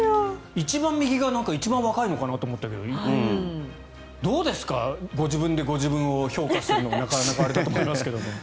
一番右が一番若いのかなと思ったけど、どうですかご自分でご自分を評価するのなかなかあれだと思いますが。